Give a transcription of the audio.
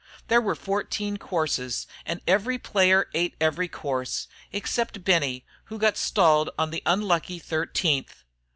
There were fourteen courses and every player ate every course, except Benny, who got stalled on the unlucky thirteenth.